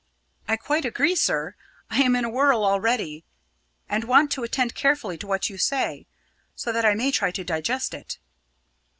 "I quite agree, sir. I am in a whirl already; and want to attend carefully to what you say; so that I may try to digest it."